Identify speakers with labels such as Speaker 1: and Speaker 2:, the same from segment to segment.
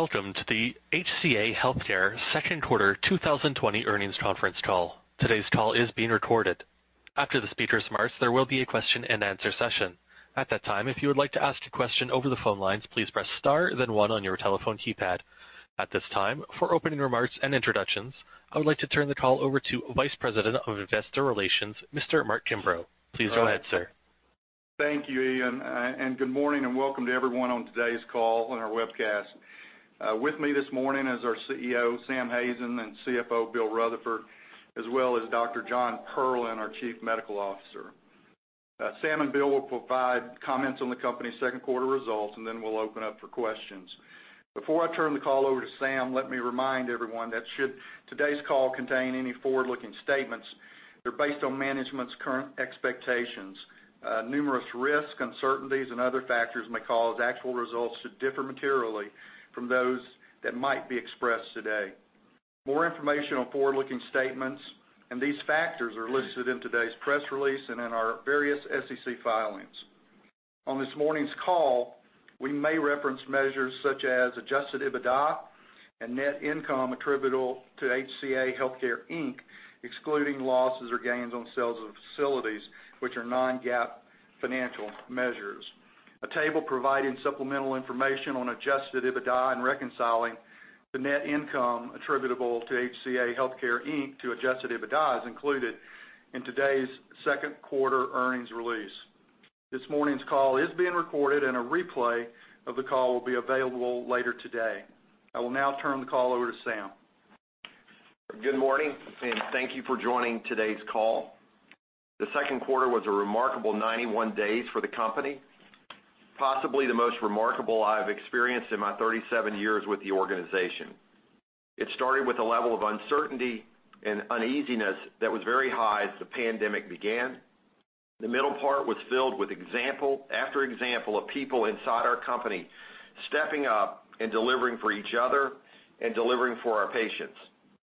Speaker 1: Welcome to the HCA Healthcare second quarter 2020 earnings conference call. Today's call is being recorded. After the speaker's remarks, there will be a question and answer session. At that time, if you would like to ask a question over the phone lines, please press star, then one on your telephone keypad. At this time, for opening remarks and introductions, I would like to turn the call over to Vice President of Investor Relations, Mr. Mark Kimbrough. Please go ahead, sir.
Speaker 2: Thank you, Ian, good morning and welcome to everyone on today's call on our webcast. With me this morning is our CEO, Sam Hazen, and CFO, Bill Rutherford, as well as Dr. Jonathan Perlin, our Chief Medical Officer. Sam and Bill will provide comments on the company's second quarter results, and then we'll open up for questions. Before I turn the call over to Sam, let me remind everyone that should today's call contain any forward-looking statements, they're based on management's current expectations. Numerous risks, uncertainties, and other factors may cause actual results to differ materially from those that might be expressed today. More information on forward-looking statements and these factors are listed in today's press release and in our various SEC filings. On this morning's call, we may reference measures such as Adjusted EBITDA and net income attributable to HCA Healthcare, Inc., excluding losses or gains on sales of facilities, which are non-GAAP financial measures. A table providing supplemental information on Adjusted EBITDA and reconciling the net income attributable to HCA Healthcare, Inc. to Adjusted EBITDA is included in today's second quarter earnings release. This morning's call is being recorded, and a replay of the call will be available later today. I will now turn the call over to Sam.
Speaker 3: Good morning, thank you for joining today's call. The second quarter was a remarkable 91 days for the company, possibly the most remarkable I've experienced in my 37 years with the organization. It started with a level of uncertainty and uneasiness that was very high as the pandemic began. The middle part was filled with example after example of people inside our company stepping up and delivering for each other and delivering for our patients,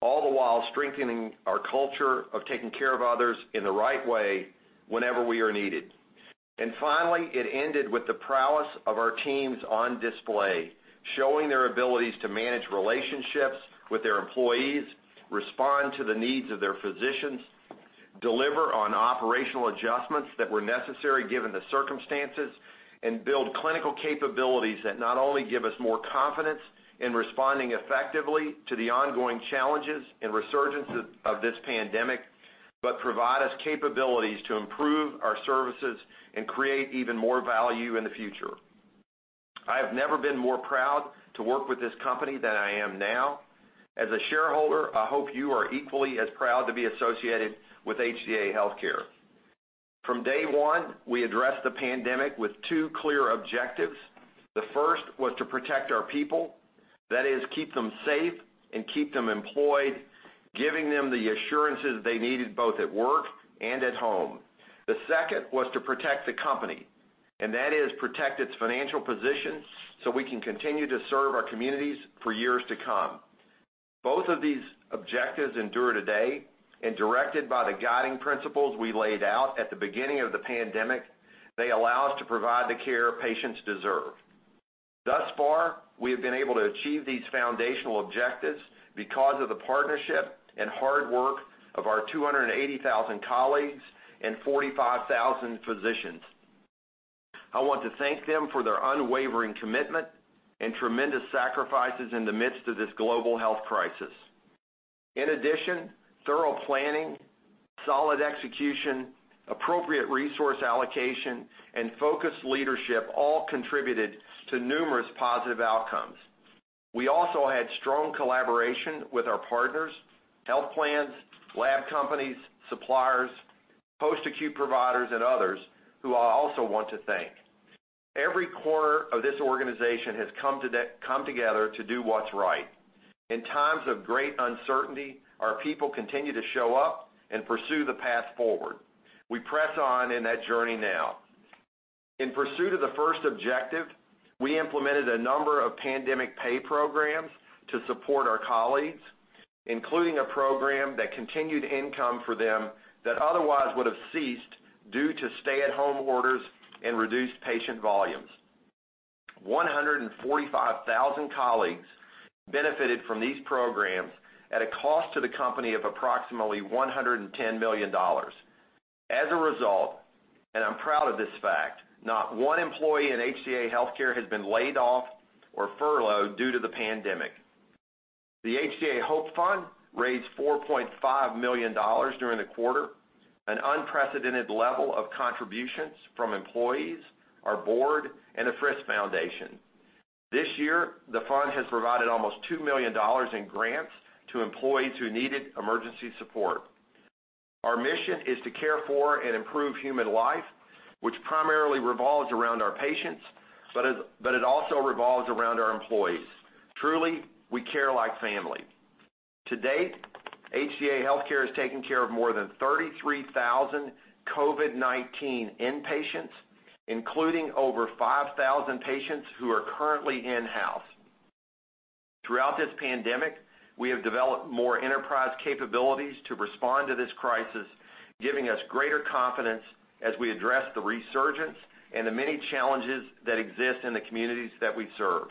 Speaker 3: all the while strengthening our culture of taking care of others in the right way whenever we are needed. Finally, it ended with the prowess of our teams on display, showing their abilities to manage relationships with their employees, respond to the needs of their physicians, deliver on operational adjustments that were necessary given the circumstances, and build clinical capabilities that not only give us more confidence in responding effectively to the ongoing challenges and resurgence of this pandemic, but provide us capabilities to improve our services and create even more value in the future. I have never been more proud to work with this company than I am now. As a shareholder, I hope you are equally as proud to be associated with HCA Healthcare. From day one, we addressed the pandemic with two clear objectives. The first was to protect our people. That is, keep them safe and keep them employed, giving them the assurances they needed both at work and at home. The second was to protect the company, and that is protect its financial position so we can continue to serve our communities for years to come. Both of these objectives endure today and directed by the guiding principles we laid out at the beginning of the pandemic, they allow us to provide the care patients deserve. Thus far, we have been able to achieve these foundational objectives because of the partnership and hard work of our 280,000 colleagues and 45,000 physicians. I want to thank them for their unwavering commitment and tremendous sacrifices in the midst of this global health crisis. In addition, thorough planning, solid execution, appropriate resource allocation, and focused leadership all contributed to numerous positive outcomes. We also had strong collaboration with our partners, health plans, lab companies, suppliers, post-acute providers, and others who I also want to thank. Every corner of this organization has come together to do what's right. In times of great uncertainty, our people continue to show up and pursue the path forward. We press on in that journey now. In pursuit of the first objective, we implemented a number of pandemic pay programs to support our colleagues, including a program that continued income for them that otherwise would have ceased due to stay-at-home orders and reduced patient volumes. 145,000 colleagues benefited from these programs at a cost to the company of approximately $110 million. As a result, and I'm proud of this fact, not one employee in HCA Healthcare has been laid off or furloughed due to the pandemic. The HCA Hope Fund raised $4.5 million during the quarter, an unprecedented level of contributions from employees, our board, and the Frist Foundation. This year, the fund has provided almost $2 million in grants to employees who needed emergency support. Our mission is to care for and improve human life, which primarily revolves around our patients, but it also revolves around our employees. Truly, we care like family. To date, HCA Healthcare has taken care of more than 33,000 COVID-19 inpatients, including over 5,000 patients who are currently in-house. Throughout this pandemic, we have developed more enterprise capabilities to respond to this crisis, giving us greater confidence as we address the resurgence and the many challenges that exist in the communities that we serve.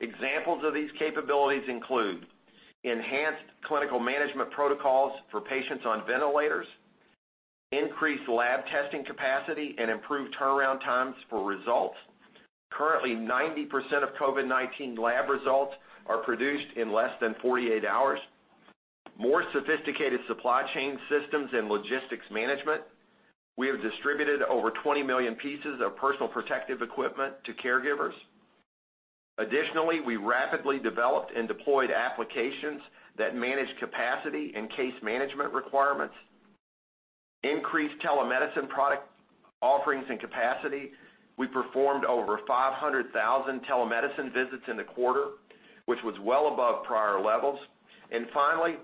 Speaker 3: Examples of these capabilities include enhanced clinical management protocols for patients on ventilators, increased lab testing capacity, and improved turnaround times for results. Currently, 90% of COVID-19 lab results are produced in less than 48 hours. More sophisticated supply chain systems and logistics management. We have distributed over 20 million pieces of personal protective equipment to caregivers. Additionally, we rapidly developed and deployed applications that manage capacity and case management requirements, increased telemedicine product offerings, and capacity. We performed over 500,000 telemedicine visits in the quarter, which was well above prior levels. Finally,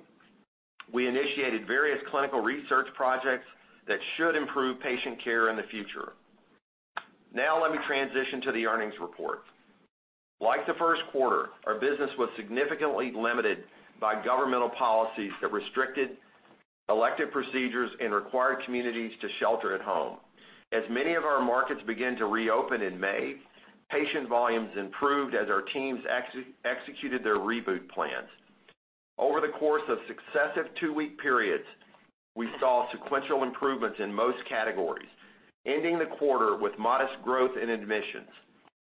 Speaker 3: we initiated various clinical research projects that should improve patient care in the future. Now let me transition to the earnings report. Like the first quarter, our business was significantly limited by governmental policies that restricted elective procedures and required communities to shelter at home. As many of our markets began to reopen in May, patient volumes improved as our teams executed their reboot plans. Over the course of successive two-week periods, we saw sequential improvements in most categories, ending the quarter with modest growth in admissions.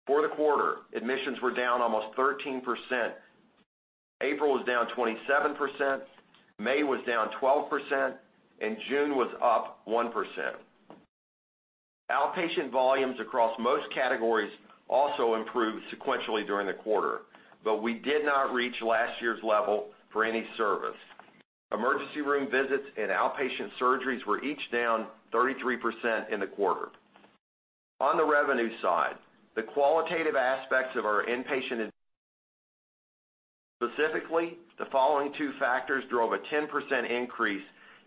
Speaker 3: For the quarter, admissions were down almost 13%. April was down 27%, May was down 12%, and June was up 1%. Outpatient volumes across most categories also improved sequentially during the quarter, but we did not reach last year's level for any service. Emergency room visits and outpatient surgeries were each down 33% in the quarter. On the revenue side, the qualitative aspects of our inpatient. Specifically, the following two factors drove a 10% increase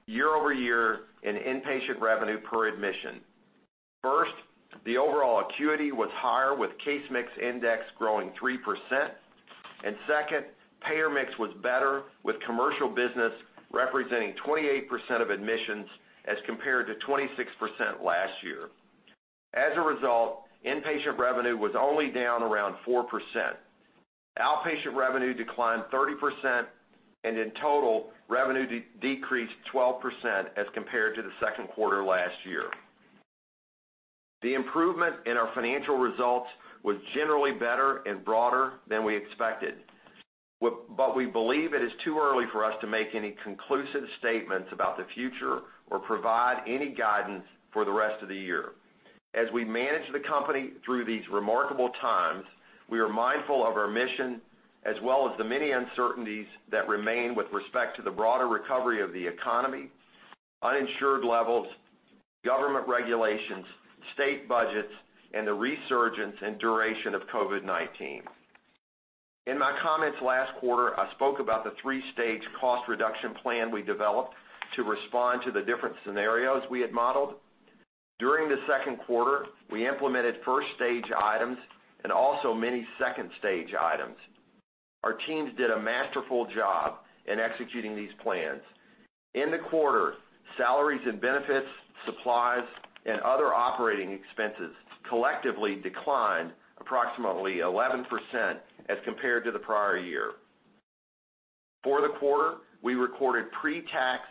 Speaker 3: year-over-year in inpatient revenue per admission. First, the overall acuity was higher, with case mix index growing 3%, and second, payer mix was better, with commercial business representing 28% of admissions as compared to 26% last year. As a result, inpatient revenue was only down around 4%. Outpatient revenue declined 30%, and in total, revenue decreased 12% as compared to the second quarter last year. The improvement in our financial results was generally better and broader than we expected. We believe it is too early for us to make any conclusive statements about the future or provide any guidance for the rest of the year. As we manage the company through these remarkable times, we are mindful of our mission, as well as the many uncertainties that remain with respect to the broader recovery of the economy, uninsured levels, government regulations, state budgets, and the resurgence and duration of COVID-19. In my comments last quarter, I spoke about the three-stage cost reduction plan we developed to respond to the different scenarios we had modeled. During the second quarter, we implemented stage 1 items and also many stage 2 items. Our teams did a masterful job in executing these plans. In the quarter, salaries and benefits, supplies, and other operating expenses collectively declined approximately 11% as compared to the prior year. For the quarter, we recorded pre-tax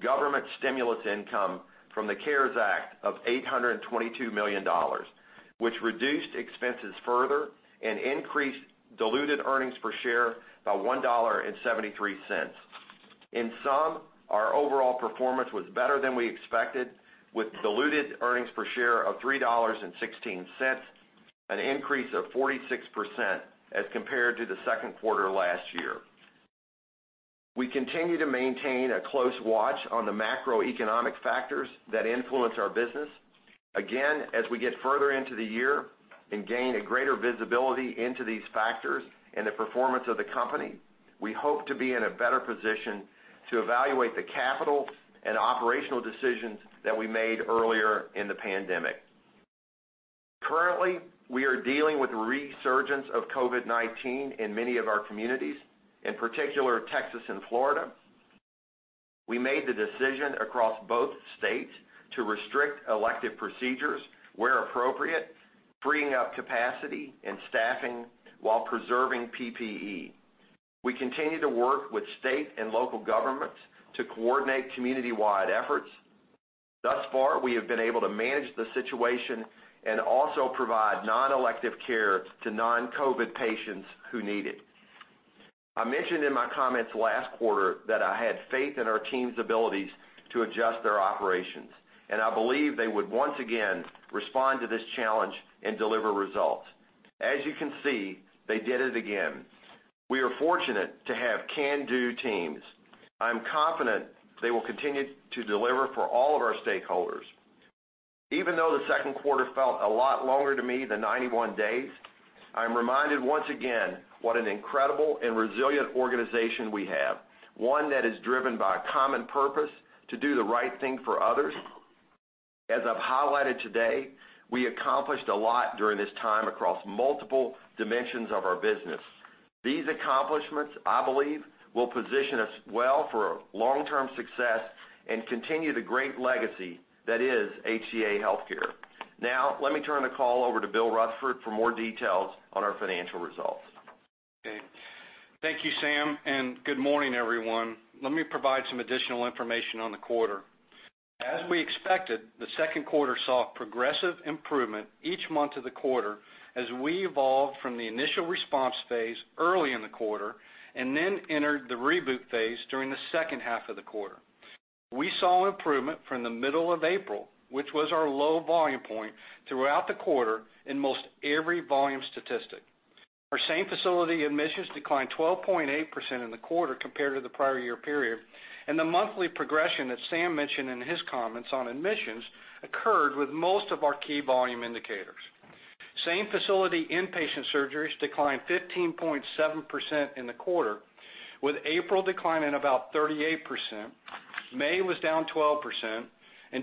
Speaker 3: government stimulus income from the CARES Act of $822 million, which reduced expenses further and increased diluted earnings per share by $1.73. In sum, our overall performance was better than we expected, with diluted earnings per share of $3.16, an increase of 46% as compared to the second quarter last year. We continue to maintain a close watch on the macroeconomic factors that influence our business. Again, as we get further into the year and gain a greater visibility into these factors and the performance of the company, we hope to be in a better position to evaluate the capital and operational decisions that we made earlier in the pandemic. Currently, we are dealing with a resurgence of COVID-19 in many of our communities, in particular Texas and Florida. We made the decision across both states to restrict elective procedures where appropriate, freeing up capacity and staffing while preserving PPE. We continue to work with state and local governments to coordinate community-wide efforts. Thus far, we have been able to manage the situation and also provide non-COVID patients who need it. I mentioned in my comments last quarter that I had faith in our teams' abilities to adjust their operations, and I believe they would once again respond to this challenge and deliver results. As you can see, they did it again. We are fortunate to have can-do teams. I am confident they will continue to deliver for all of our stakeholders. Even though the second quarter felt a lot longer to me than 91 days, I am reminded once again what an incredible and resilient organization we have, one that is driven by a common purpose to do the right thing for others. As I've highlighted today, we accomplished a lot during this time across multiple dimensions of our business. These accomplishments, I believe, will position us well for long-term success and continue the great legacy that is HCA Healthcare. Now, let me turn the call over to Bill Rutherford for more details on our financial results.
Speaker 4: Okay. Thank you, Sam. Good morning, everyone. Let me provide some additional information on the quarter. As we expected, the second quarter saw progressive improvement each month of the quarter as we evolved from the initial response phase early in the quarter and then entered the reboot phase during the second half of the quarter. We saw improvement from the middle of April, which was our low volume point, throughout the quarter in most every volume statistic. Our same-facility admissions declined 12.8% in the quarter compared to the prior year period. The monthly progression that Sam mentioned in his comments on admissions occurred with most of our key volume indicators. Same-facility inpatient surgeries declined 15.7% in the quarter, with April declining about 38%, May was down 12%.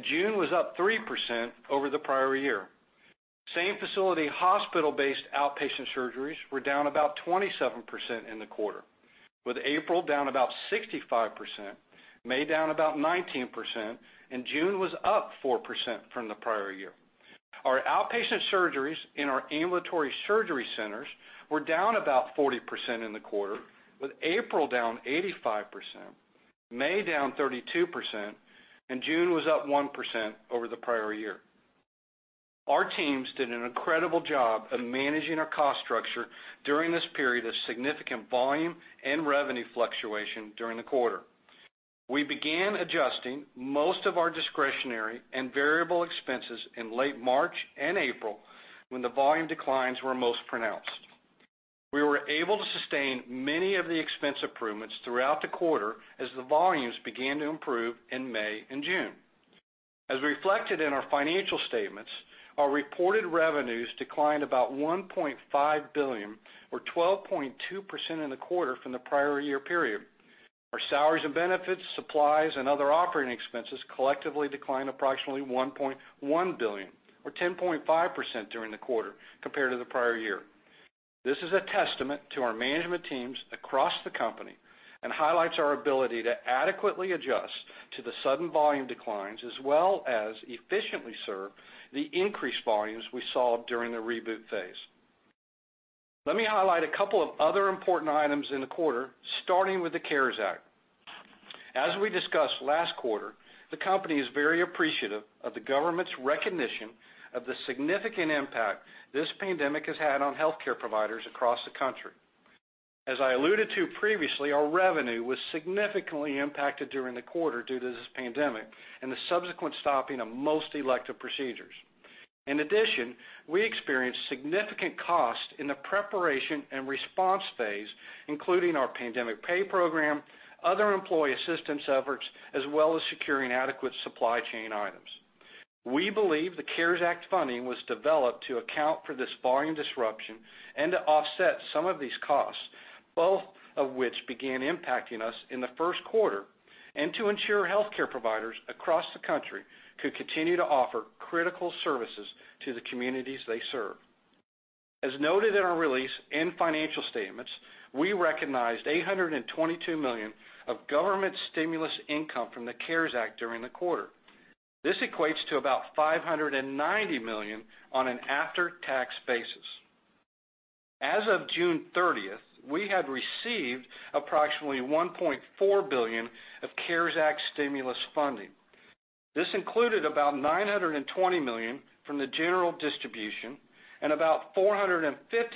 Speaker 4: June was up 3% over the prior year. Same-facility hospital-based outpatient surgeries were down about 27% in the quarter, with April down about 65%, May down about 19%, and June was up 4% from the prior year. Our outpatient surgeries in our ambulatory surgery centers were down about 40% in the quarter, with April down 85%, May down 32%, and June was up 1% over the prior year. Our teams did an incredible job of managing our cost structure during this period of significant volume and revenue fluctuation during the quarter. We began adjusting most of our discretionary and variable expenses in late March and April when the volume declines were most pronounced. We were able to sustain many of the expense improvements throughout the quarter as the volumes began to improve in May and June. As reflected in our financial statements, our reported revenues declined about $1.5 billion, or 12.2% in the quarter from the prior year period. Our salaries and benefits, supplies, and other operating expenses collectively declined approximately $1.1 billion, or 10.5% during the quarter compared to the prior year. This is a testament to our management teams across the company and highlights our ability to adequately adjust to the sudden volume declines as well as efficiently serve the increased volumes we saw during the reboot phase. Let me highlight a couple of other important items in the quarter, starting with the CARES Act. As we discussed last quarter, the company is very appreciative of the government's recognition of the significant impact this pandemic has had on healthcare providers across the country. As I alluded to previously, our revenue was significantly impacted during the quarter due to this pandemic and the subsequent stopping of most elective procedures. In addition, we experienced significant cost in the preparation and response phase, including our pandemic pay program, other employee assistance efforts, as well as securing adequate supply chain items. We believe the CARES Act funding was developed to account for this volume disruption and to offset some of these costs, both of which began impacting us in the first quarter, and to ensure healthcare providers across the country could continue to offer critical services to the communities they serve. As noted in our release and financial statements, we recognized $822 million of government stimulus income from the CARES Act during the quarter. This equates to about $590 million on an after-tax basis. As of June 30th, we had received approximately $1.4 billion of CARES Act stimulus funding. This included about $920 million from the general distribution and about $450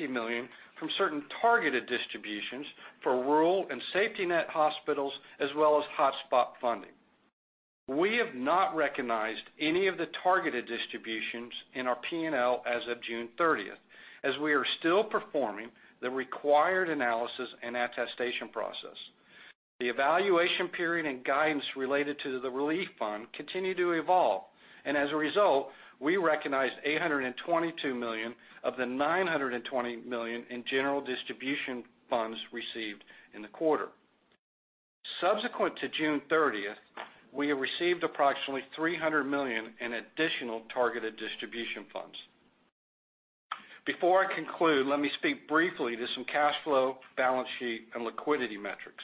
Speaker 4: million from certain targeted distributions for rural and safety net hospitals as well as hotspot funding. We have not recognized any of the targeted distributions in our P&L as of June 30th, as we are still performing the required analysis and attestation process. The evaluation period and guidance related to the relief fund continue to evolve. As a result, we recognized $822 million of the $920 million in general distribution funds received in the quarter. Subsequent to June 30th, we have received approximately $300 million in additional targeted distribution funds. Before I conclude, let me speak briefly to some cash flow, balance sheet, and liquidity metrics.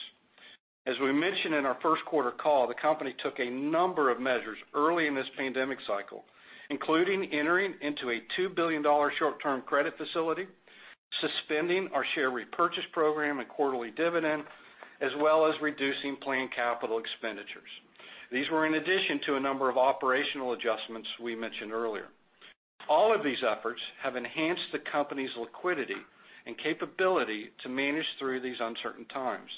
Speaker 4: As we mentioned in our first quarter call, the company took a number of measures early in this pandemic cycle, including entering into a $2 billion short-term credit facility, suspending our share repurchase program and quarterly dividend, as well as reducing planned capital expenditures. These were in addition to a number of operational adjustments we mentioned earlier. All of these efforts have enhanced the company's liquidity and capability to manage through these uncertain times.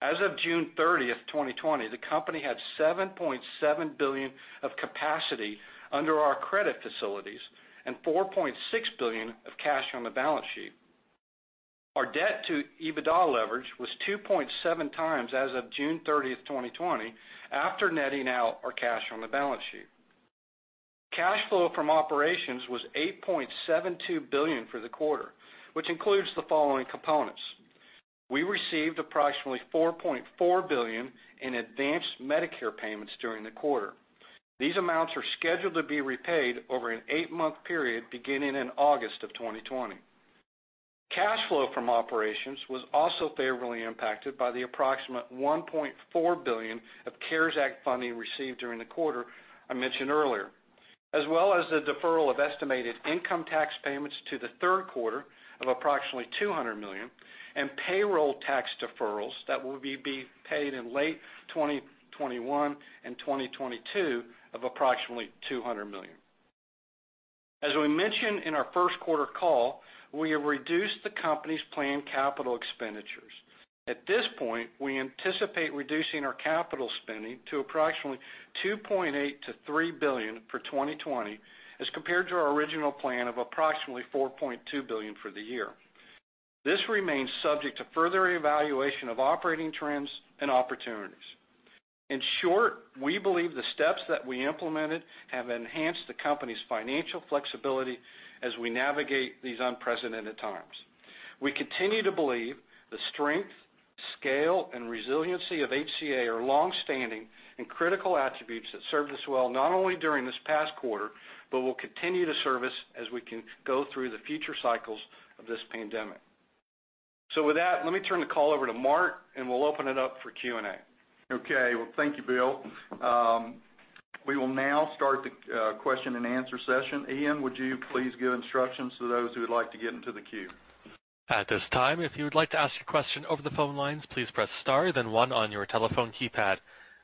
Speaker 4: As of June 30th, 2020, the company had $7.7 billion of capacity under our credit facilities and $4.6 billion of cash on the balance sheet. Our debt to EBITDA leverage was 2.7 times as of June 30th, 2020, after netting out our cash on the balance sheet. Cash flow from operations was $8.72 billion for the quarter, which includes the following components. We received approximately $4.4 billion in advanced Medicare payments during the quarter. These amounts are scheduled to be repaid over an eight-month period, beginning in August of 2020. Cash flow from operations was also favorably impacted by the approximate $1.4 billion of CARES Act funding received during the quarter I mentioned earlier, as well as the deferral of estimated income tax payments to the third quarter of approximately $200 million, and payroll tax deferrals that will be paid in late 2021 and 2022 of approximately $200 million. As we mentioned in our first quarter call, we have reduced the company's planned capital expenditures. At this point, we anticipate reducing our capital spending to approximately $2.8 billion-$3 billion for 2020 as compared to our original plan of approximately $4.2 billion for the year. This remains subject to further evaluation of operating trends and opportunities. In short, we believe the steps that we implemented have enhanced the company's financial flexibility as we navigate these unprecedented times. We continue to believe the strength, scale, and resiliency of HCA are longstanding and critical attributes that served us well not only during this past quarter, but will continue to serve us as we can go through the future cycles of this pandemic. With that, let me turn the call over to Mark, and we'll open it up for Q&A.
Speaker 2: Okay. Well, thank you, Bill. We will now start the question and answer session. Ian, would you please give instructions to those who would like to get into the queue?
Speaker 1: At this time, if you would like to ask a question over the phone lines, please press star, then one on your telephone keypad.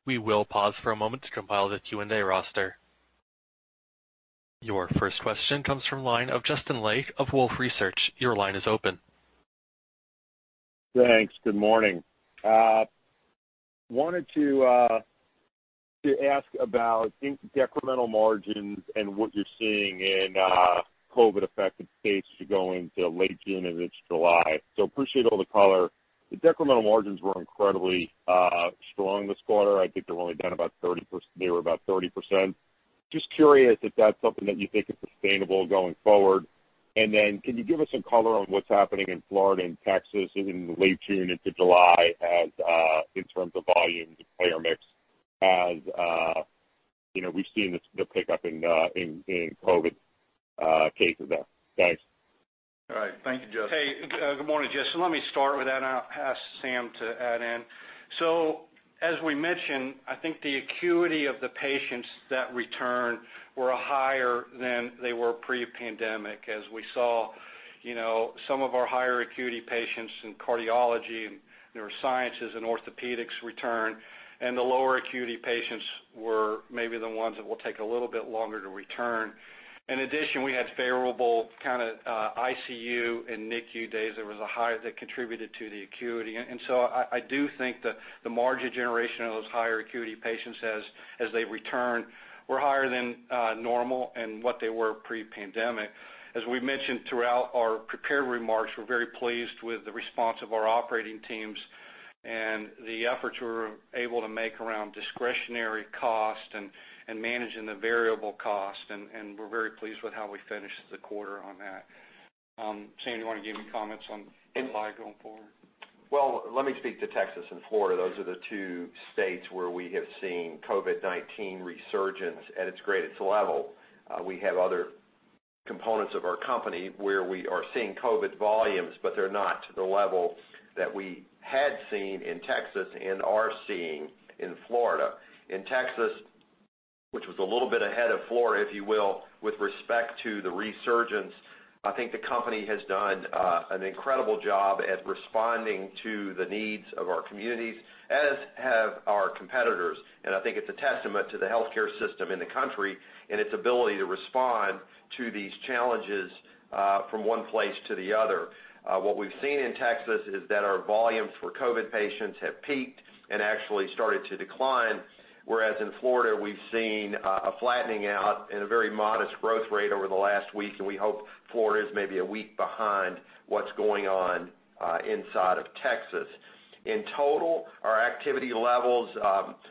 Speaker 1: We will pause for a moment to compile the Q&A roster. Your first question comes from the line of Justin Lake of Wolfe Research. Your line is open.
Speaker 5: Thanks. Good morning. Wanted to ask about incremental margins and what you're seeing in COVID-affected states as you go into late June and into July. Appreciate all the color. The incremental margins were incredibly strong this quarter. I think they were only down about 30%. Just curious if that's something that you think is sustainable going forward. Can you give us some color on what's happening in Florida and Texas in late June into July in terms of volume and payer mix, as we've seen the pickup in COVID cases there? Thanks.
Speaker 2: All right. Thank you, Justin.
Speaker 4: Hey, good morning, Justin. Let me start with that, and I'll ask Sam to add in. As we mentioned, I think the acuity of the patients that returned were higher than they were pre-pandemic, as we saw some of our higher acuity patients in cardiology and neurosciences and orthopedics return, and the lower acuity patients were maybe the ones that will take a little bit longer to return. In addition, we had favorable ICU and NICU days. There was a high that contributed to the acuity. I do think that the margin generation of those higher acuity patients as they return were higher than normal and what they were pre-pandemic. As we mentioned throughout our prepared remarks, we're very pleased with the response of our operating teams and the efforts we were able to make around discretionary cost and managing the variable cost, and we're very pleased with how we finished the quarter on that. Sam, do you want to give any comments on July going forward?
Speaker 3: Well, let me speak to Texas and Florida. Those are the two states where we have seen COVID-19 resurgence at its greatest level. We have other components of our company where we are seeing COVID volumes, but they're not to the level that we had seen in Texas and are seeing in Florida. In Texas, which was a little bit ahead of Florida, if you will, with respect to the resurgence, I think the company has done an incredible job at responding to the needs of our communities, as have our competitors. I think it's a testament to the healthcare system in the country and its ability to respond to these challenges from one place to the other. What we've seen in Texas is that our volumes for COVID patients have peaked and actually started to decline, whereas in Florida, we've seen a flattening out and a very modest growth rate over the last week, and we hope Florida is maybe a week behind what's going on inside of Texas. In total, our activity levels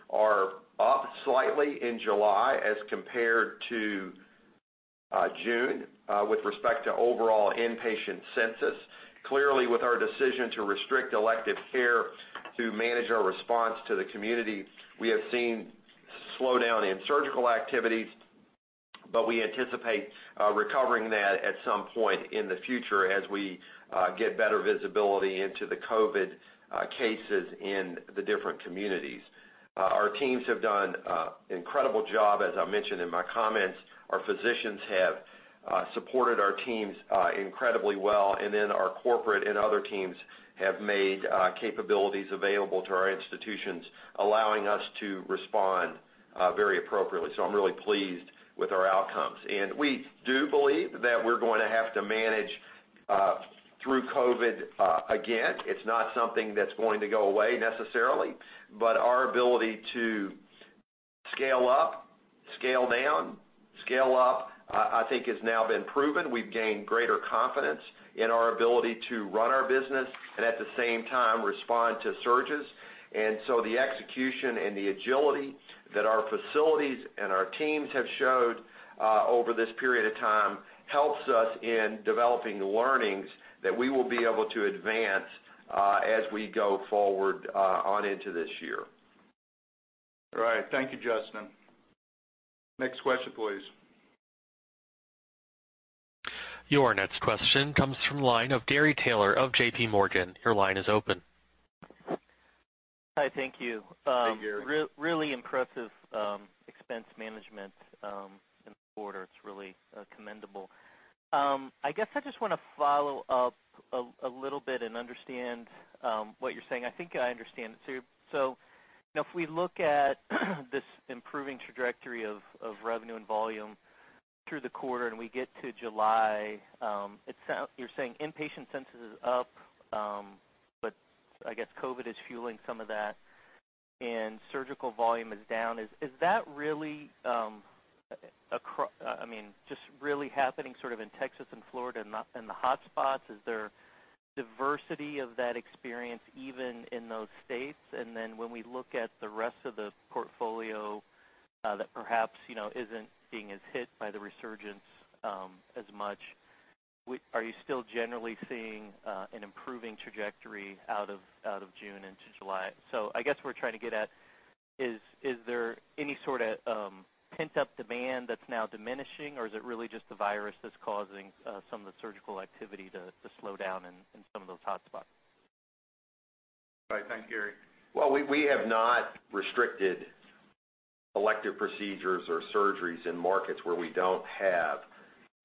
Speaker 3: are up slightly in July as compared to June with respect to overall inpatient census. Clearly, with our decision to restrict elective care to manage our response to the community, we have seen a slowdown in surgical activities, but we anticipate recovering that at some point in the future as we get better visibility into the COVID cases in the different communities. Our teams have done an incredible job, as I mentioned in my comments. Our physicians have supported our teams incredibly well, our corporate and other teams have made capabilities available to our institutions, allowing us to respond very appropriately. I'm really pleased with our outcomes. We do believe that we're going to have to manage through COVID again. It's not something that's going to go away necessarily, but our ability to scale up, scale down, scale up, I think, has now been proven. We've gained greater confidence in our ability to run our business and, at the same time, respond to surges. The execution and the agility that our facilities and our teams have showed over this period of time helps us in developing the learnings that we will be able to advance as we go forward on into this year.
Speaker 2: All right. Thank you, Justin. Next question, please.
Speaker 1: Your next question comes from the line of Gary Taylor of J.P. Morgan. Your line is open.
Speaker 6: Hi, thank you.
Speaker 2: Hey, Gary.
Speaker 6: Really impressive expense management in the quarter. It's really commendable. I guess I just want to follow up a little bit and understand what you're saying. I think I understand it too. If we look at this improving trajectory of revenue and volume through the quarter, and we get to July, you're saying inpatient census is up, but I guess COVID is fueling some of that, and surgical volume is down. Is that just really happening sort of in Texas and Florida in the hotspots? Is there diversity of that experience even in those states? When we look at the rest of the portfolio that perhaps isn't being as hit by the resurgence as much, are you still generally seeing an improving trajectory out of June into July? I guess what we're trying to get at is there any sort of pent-up demand that's now diminishing, or is it really just the virus that's causing some of the surgical activity to slow down in some of those hotspots?
Speaker 2: Right. Thanks, Gary.
Speaker 3: Well, we have not restricted elective procedures or surgeries in markets where we don't have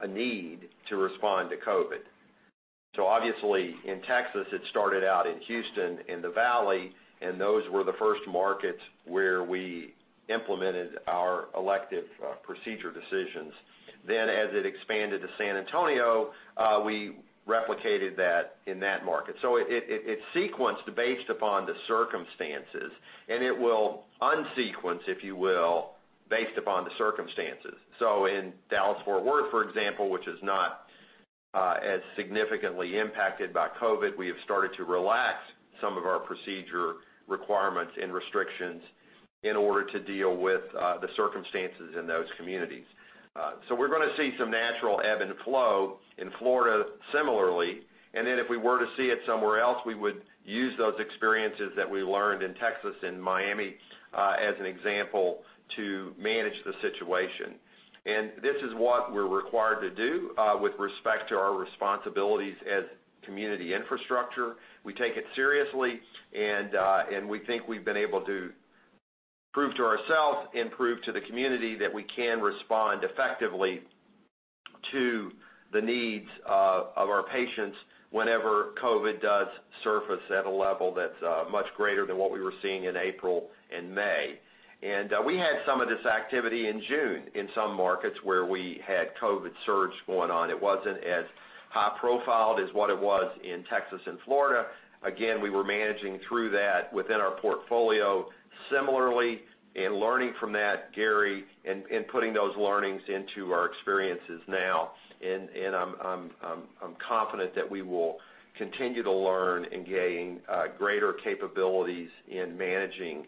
Speaker 3: a need to respond to COVID. Obviously, in Texas, it started out in Houston, in the Valley, and those were the first markets where we implemented our elective procedure decisions. As it expanded to San Antonio, we replicated that in that market. It sequenced based upon the circumstances, and it will unsequence, if you will, based upon the circumstances. In Dallas-Fort Worth, for example, which is not as significantly impacted by COVID, we have started to relax some of our procedure requirements and restrictions in order to deal with the circumstances in those communities. We're going to see some natural ebb and flow in Florida similarly. If we were to see it somewhere else, we would use those experiences that we learned in Texas and Miami as an example to manage the situation. This is what we're required to do with respect to our responsibilities as community infrastructure. We take it seriously, and we think we've been able to prove to ourselves and prove to the community that we can respond effectively to the needs of our patients whenever COVID does surface at a level that's much greater than what we were seeing in April and May. We had some of this activity in June in some markets where we had COVID surge going on. It wasn't as high profiled as what it was in Texas and Florida. Again, we were managing through that within our portfolio similarly and learning from that, Gary, and putting those learnings into our experiences now. I'm confident that we will continue to learn and gain greater capabilities in managing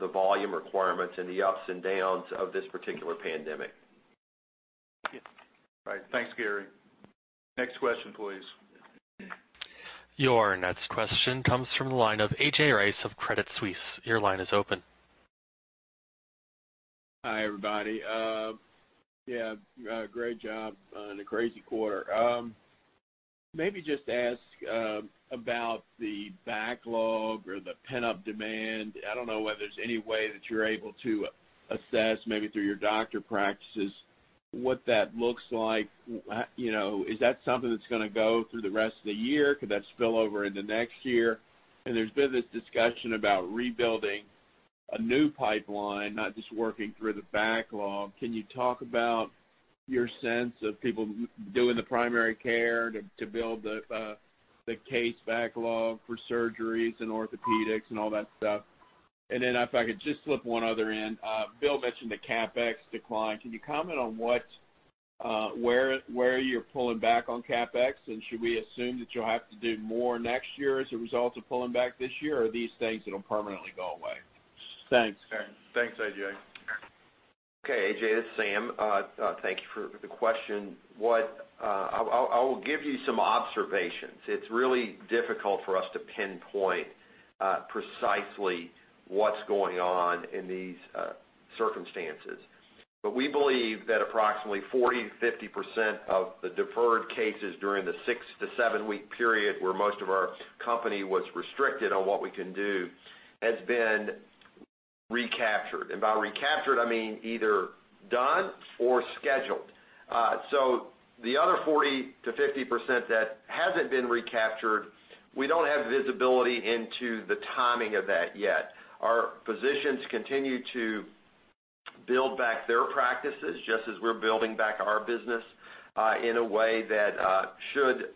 Speaker 3: the volume requirements and the ups and downs of this particular pandemic.
Speaker 6: Thank you.
Speaker 2: All right. Thanks, Gary. Next question, please.
Speaker 1: Your next question comes from the line of A.J. Rice of Credit Suisse. Your line is open.
Speaker 7: Hi, everybody. Yeah, great job on a crazy quarter. Maybe just ask about the backlog or the pent-up demand. I don't know whether there's any way that you're able to assess, maybe through your doctor practices, what that looks like. Is that something that's going to go through the rest of the year? Could that spill over into next year? There's been this discussion about rebuilding a new pipeline, not just working through the backlog. Can you talk about your sense of people doing the primary care to build the case backlog for surgeries and orthopedics and all that stuff? Then if I could just slip one other in. Bill mentioned the CapEx decline. Can you comment on where you're pulling back on CapEx. Should we assume that you'll have to do more next year as a result of pulling back this year, or are these things that'll permanently go away? Thanks.
Speaker 2: Thanks, A.J.
Speaker 3: Okay, A.J., this is Sam. Thank you for the question. I'll give you some observations. It's really difficult for us to pinpoint precisely what's going on in these circumstances. We believe that approximately 40%-50% of the deferred cases during the six to seven-week period, where most of our company was restricted on what we can do, has been recaptured. By recaptured, I mean either done or scheduled. The other 40%-50% that hasn't been recaptured, we don't have visibility into the timing of that yet. Our physicians continue to build back their practices, just as we're building back our business in a way that should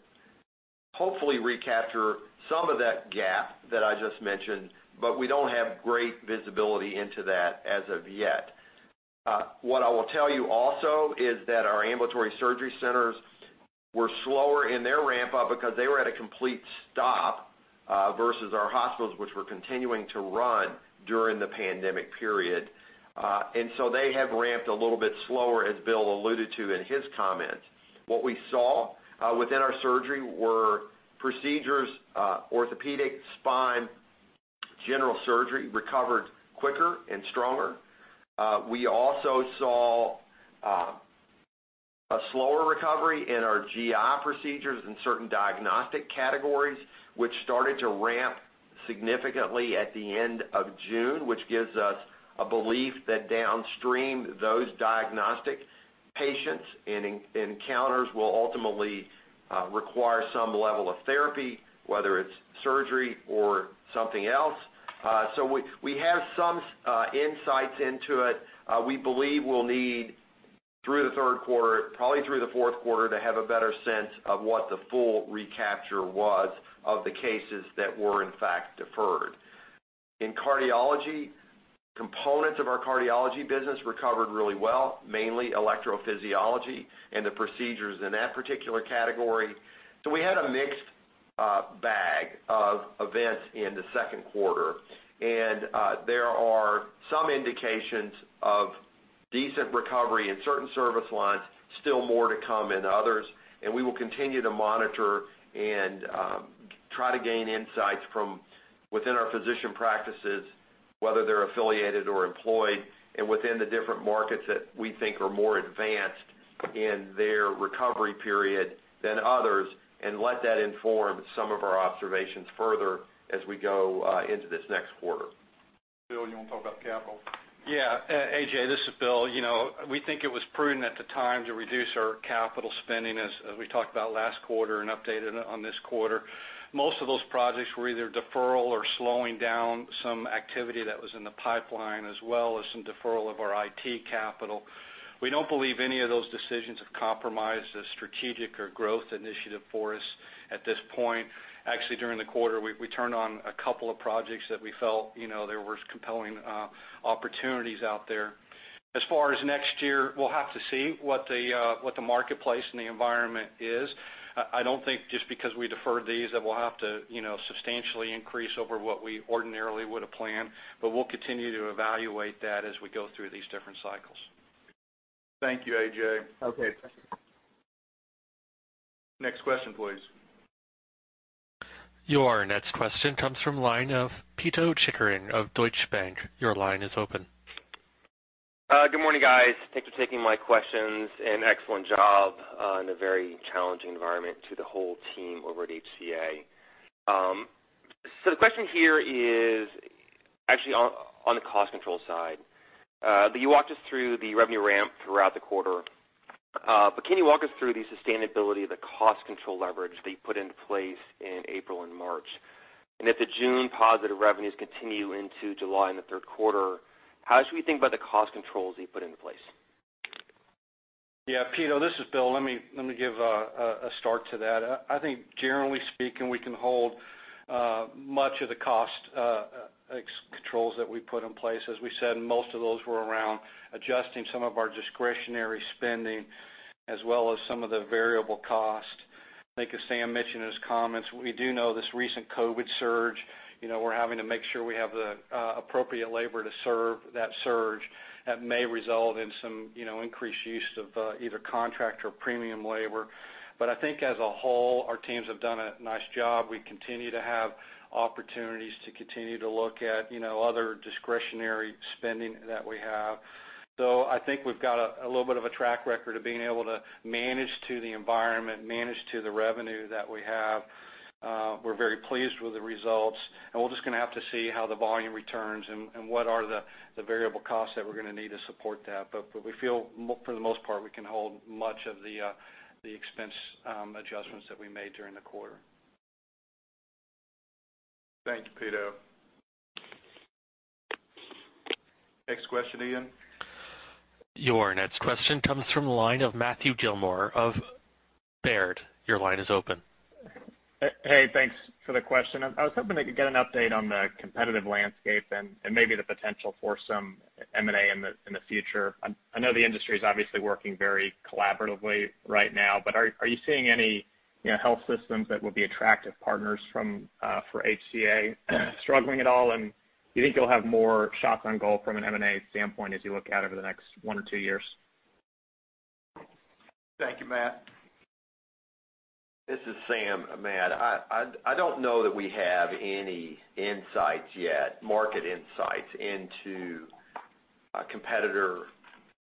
Speaker 3: hopefully recapture some of that gap that I just mentioned, we don't have great visibility into that as of yet. What I will tell you also is that our ambulatory surgery centers were slower in their ramp-up because they were at a complete stop versus our hospitals, which were continuing to run during the pandemic period. They have ramped a little bit slower, as Bill alluded to in his comments. What we saw within our surgery were procedures, orthopedic, spine, general surgery recovered quicker and stronger. We also saw a slower recovery in our GI procedures in certain diagnostic categories, which started to ramp significantly at the end of June, which gives us a belief that downstream, those diagnostic patients and encounters will ultimately require some level of therapy, whether it's surgery or something else. We have some insights into it. We believe we'll need through the third quarter, probably through the fourth quarter, to have a better sense of what the full recapture was of the cases that were in fact deferred. In cardiology, components of our cardiology business recovered really well, mainly electrophysiology and the procedures in that particular category. We had a mixed bag of events in the second quarter, there are some indications of decent recovery in certain service lines, still more to come in others. We will continue to monitor and try to gain insights from within our physician practices, whether they're affiliated or employed, and within the different markets that we think are more advanced in their recovery period than others, and let that inform some of our observations further as we go into this next quarter.
Speaker 2: Bill, you want to talk about capital?
Speaker 4: Yeah. A.J., this is Bill. We think it was prudent at the time to reduce our capital spending, as we talked about last quarter and updated on this quarter. Most of those projects were either deferral or slowing down some activity that was in the pipeline, as well as some deferral of our IT capital. We don't believe any of those decisions have compromised a strategic or growth initiative for us at this point. Actually, during the quarter, we turned on a couple of projects that we felt, there was compelling opportunities out there. As far as next year, we'll have to see what the marketplace and the environment is. I don't think just because we deferred these that we'll have to substantially increase over what we ordinarily would have planned, but we'll continue to evaluate that as we go through these different cycles.
Speaker 2: Thank you, A.J.
Speaker 7: Okay.
Speaker 2: Next question, please.
Speaker 1: Your next question comes from the line of Pito Chickering of Deutsche Bank. Your line is open.
Speaker 8: Good morning, guys. Thanks for taking my questions, and excellent job on a very challenging environment to the whole team over at HCA. The question here is actually on the cost control side. You walked us through the revenue ramp throughout the quarter, but can you walk us through the sustainability of the cost control leverage that you put into place in April and March? If the June positive revenues continue into July and the third quarter, how should we think about the cost controls you put into place?
Speaker 4: Yeah, Pito, this is Bill. Let me give a start to that. I think generally speaking, we can hold much of the cost controls that we put in place. As we said, most of those were around adjusting some of our discretionary spending as well as some of the variable costs. I think as Sam mentioned in his comments, we do know this recent COVID surge, we're having to make sure we have the appropriate labor to serve that surge. That may result in some increased use of either contract or premium labor. I think as a whole, our teams have done a nice job. We continue to have opportunities to continue to look at other discretionary spending that we have. I think we've got a little bit of a track record of being able to manage to the environment, manage to the revenue that we have. We're very pleased with the results, and we're just going to have to see how the volume returns and what are the variable costs that we're going to need to support that. We feel, for the most part, we can hold much of the expense adjustments that we made during the quarter.
Speaker 2: Thank you, Pito. Next question, Ian.
Speaker 1: Your next question comes from the line of Matthew Gillmor of Baird. Your line is open.
Speaker 9: Hey, thanks for the question. I was hoping I could get an update on the competitive landscape and maybe the potential for some M&A in the future. I know the industry is obviously working very collaboratively right now. Are you seeing any health systems that would be attractive partners for HCA struggling at all? Do you think you'll have more shots on goal from an M&A standpoint as you look out over the next one or two years?
Speaker 2: Thank you, Matt.
Speaker 3: This is Sam. Matt, I don't know that we have any insights yet, market insights into competitor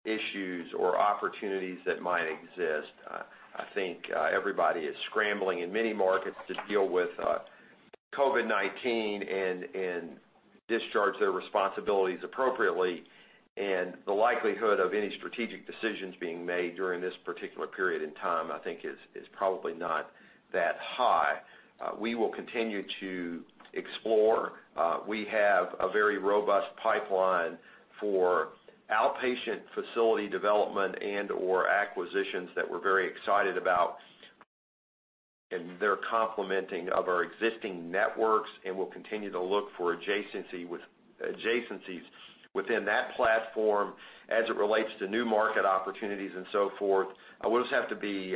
Speaker 3: issues or opportunities that might exist. I think everybody is scrambling in many markets to deal with COVID-19 and discharge their responsibilities appropriately. The likelihood of any strategic decisions being made during this particular period in time, I think, is probably not that high. We will continue to explore. We have a very robust pipeline for outpatient facility development and/or acquisitions that we're very excited about, and they're complementing of our existing networks, and we'll continue to look for adjacencies within that platform as it relates to new market opportunities and so forth. We'll just have to be,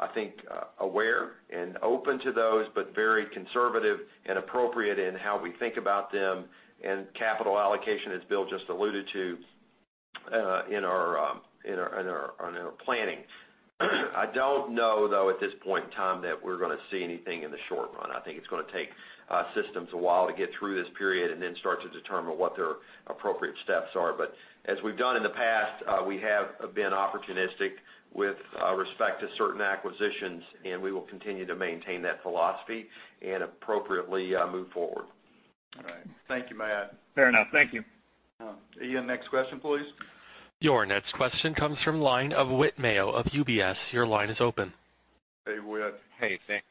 Speaker 3: I think, aware and open to those, but very conservative and appropriate in how we think about them and capital allocation, as Bill just alluded to in our planning. I don't know, though, at this point in time that we're going to see anything in the short run. I think it's going to take systems a while to get through this period and then start to determine what their appropriate steps are. As we've done in the past, we have been opportunistic with respect to certain acquisitions, and we will continue to maintain that philosophy and appropriately move forward.
Speaker 2: All right. Thank you, Matt.
Speaker 9: Fair enough. Thank you.
Speaker 2: Ian, next question, please.
Speaker 1: Your next question comes from line of Whit Mayo of UBS. Your line is open.
Speaker 4: Hey, Whit.
Speaker 10: Hey, thanks.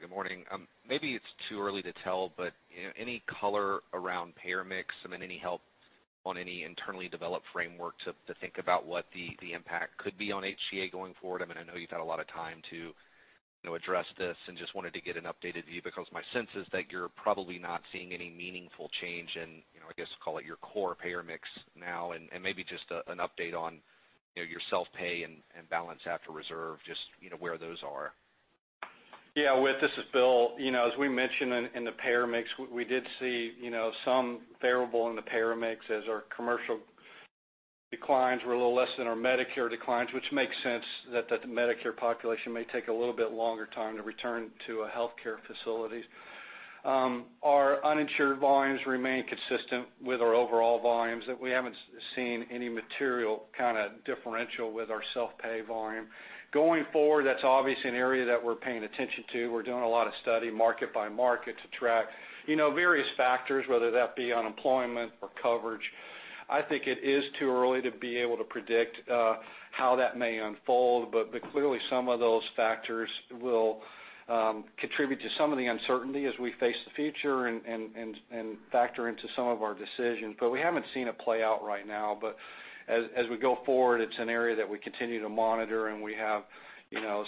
Speaker 10: Good morning. Maybe it's too early to tell, any color around payer mix? Any help on any internally developed framework to think about what the impact could be on HCA going forward? I know you've had a lot of time to address this and just wanted to get an updated view, because my sense is that you're probably not seeing any meaningful change in, I guess call it, your core payer mix now. Maybe just an update on your self-pay and balance after reserve, just where those are.
Speaker 4: Yeah. Whit, this is Bill. As we mentioned in the payer mix, we did see some variable in the payer mix as our commercial declines were a little less than our Medicare declines, which makes sense that the Medicare population may take a little bit longer time to return to a healthcare facility. Our uninsured volumes remain consistent with our overall volumes, that we haven't seen any material differential with our self-pay volume. Going forward, that's obviously an area that we're paying attention to. We're doing a lot of study, market by market, to track various factors, whether that be unemployment or coverage. I think it is too early to be able to predict how that may unfold. Clearly, some of those factors will contribute to some of the uncertainty as we face the future and factor into some of our decisions. We haven't seen it play out right now. As we go forward, it's an area that we continue to monitor, and we have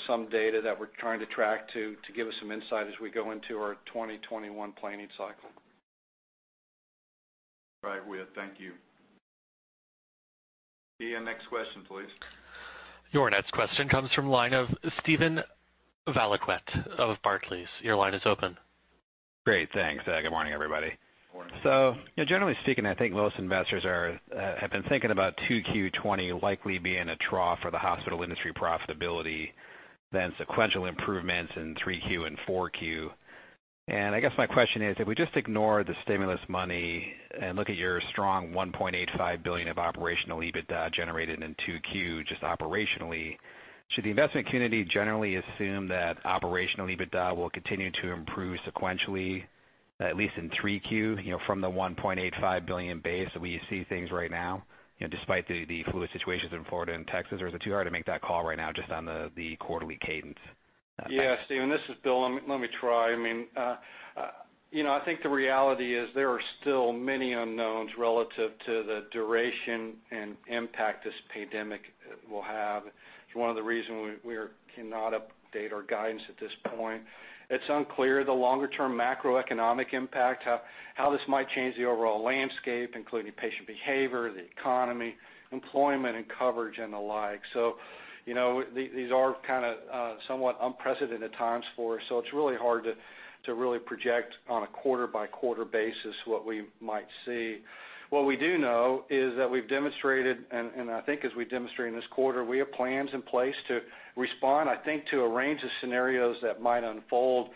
Speaker 4: some data that we're trying to track to give us some insight as we go into our 2021 planning cycle.
Speaker 2: All right, Whit. Thank you. Ian, next question, please.
Speaker 1: Your next question comes from line of Steven Valiquette of Barclays. Your line is open.
Speaker 11: Great. Thanks. Good morning, everybody.
Speaker 4: Morning.
Speaker 11: Generally speaking, I think most investors have been thinking about 2Q 2020 likely being a trough for the hospital industry profitability, then sequential improvements in 3Q and 4Q. I guess my question is, if we just ignore the stimulus money and look at your strong $1.85 billion of operational EBITDA generated in 2Q, just operationally, should the investment community generally assume that operational EBITDA will continue to improve sequentially, at least in 3Q, from the $1.85 billion base that we see things right now, despite the fluid situations in Florida and Texas? Is it too hard to make that call right now just on the quarterly cadence?
Speaker 4: Yeah, Steven, this is Bill. Let me try. I think the reality is there are still many unknowns relative to the duration and impact this pandemic will have. It's one of the reasons we cannot update our guidance at this point. It's unclear the longer-term macroeconomic impact, how this might change the overall landscape, including patient behavior, the economy, employment, and coverage, and the like. These are somewhat unprecedented times for us, so it's really hard to really project on a quarter-by-quarter basis what we might see. What we do know is that we've demonstrated, and I think as we demonstrate in this quarter, we have plans in place to respond, I think, to a range of scenarios that might unfold,